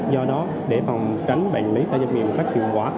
do đó để phòng tránh bệnh lý tay chân miệng phát triển quả